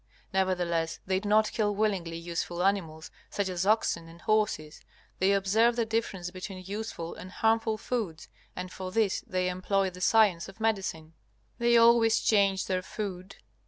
Nevertheless, they do not kill willingly useful animals, such as oxen and horses. They observe the difference between useful and harmful foods, and for this they employ the science of medicine. They always change their food.